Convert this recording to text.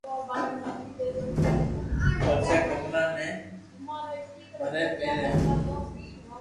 ٻيجا ڪمرا مي مري ٻير ھين ھون ھون